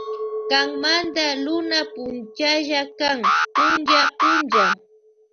Kanmanta Luna punchalla kan punlla punlla.